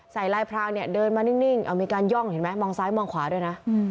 ลายพรางเนี่ยเดินมานิ่งมีการย่องเห็นไหมมองซ้ายมองขวาด้วยนะ